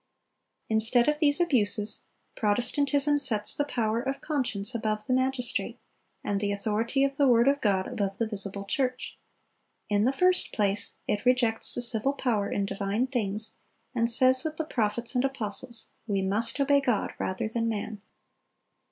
Instead of these abuses, Protestantism sets the power of conscience above the magistrate, and the authority of the word of God above the visible church. In the first place, it rejects the civil power in divine things, and says with the prophets and apostles, '_We must obey God rather than man.